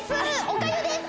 おかゆです！